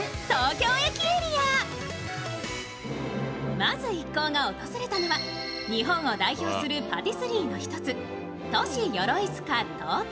まず一行が訪れたのは日本を代表するパティスリーの一つ、トシ・ヨロイヅカ東京。